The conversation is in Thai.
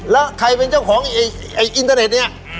แล้วใครเป็นเจ้าของอินเทอร์เน็ตเนี่ย